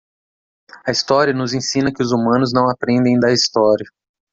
A história nos ensina que os humanos não aprendem da história.